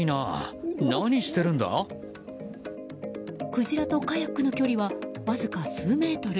クジラとカヤックの距離はわずか数メートル。